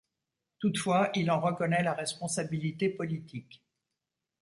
Toutefois, il en reconnaît la responsabilité politique.